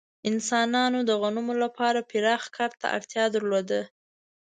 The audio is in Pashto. انسانانو د غنمو لپاره پراخ کار ته اړتیا درلوده.